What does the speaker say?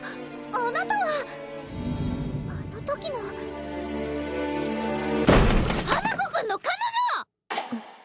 あなたはあの時の花子くんの彼女！